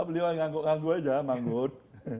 beliau hanya mengganggu ganggu saja manggut